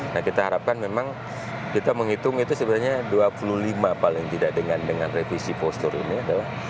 nah kita harapkan memang kita menghitung itu sebenarnya dua puluh lima paling tidak dengan revisi postur ini adalah